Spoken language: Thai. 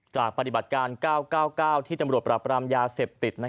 ปฏิบัติการ๙๙๙ที่ตำรวจปราบรามยาเสพติด